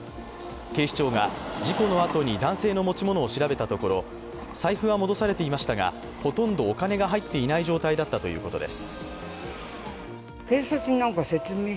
警視庁が事故のあとに男性の持ち物を調べたところ、財布は戻されていましたが、ほとんどお金が入っていない状態だったということです。